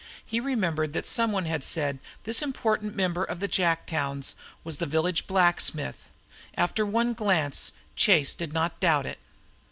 He remembered that some one had said this important member of the Jacktowns was the village blacksmith. After one glance, Chase did not doubt it.